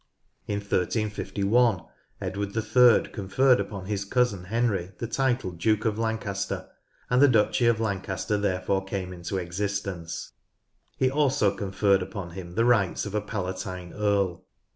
In 1 35 1 Edward III conferred upon his cousin Henry the title Duke of Lancaster, and the Duchy of Lancaster therefore came into existence. He also conferred upon him the rights of a palatine earl.